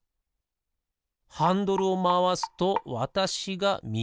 ハンドルをまわすとわたしがみぎへひだりへ。